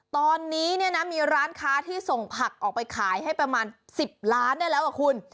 ตอนนี้เนี่ยนะมีร้านค้าที่ส่งผักออกไปขายให้ประมาณ๑๐ล้านได้แล้วอ่ะคุณ